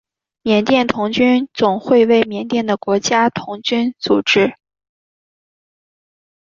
缅甸童军总会为缅甸的国家童军组织。